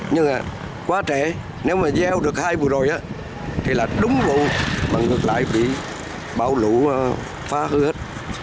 nhưng quá trễ nếu mà gieo được hai vụ rồi thì là đúng vụ mà ngược lại bị bão lũ phá hư hết